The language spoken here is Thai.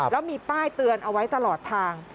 แล้วมีป้ายเตือนเอาไว้ตลอดทาง